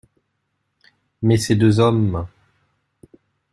Mais ces deux hommes !…